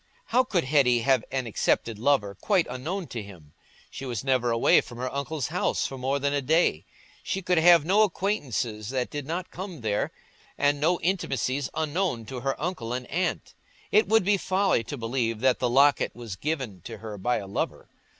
How could Hetty have an accepted lover, quite unknown to him? She was never away from her uncle's house for more than a day; she could have no acquaintances that did not come there, and no intimacies unknown to her uncle and aunt. It would be folly to believe that the locket was given to her by a lover.